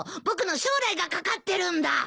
僕の将来がかかってるんだ！